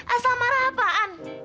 asal marah apaan